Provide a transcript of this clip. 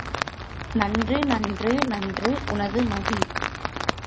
நன்று, நன்று, நன்று உனது மதி.